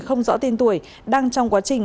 không rõ tiền tuổi đang trong quá trình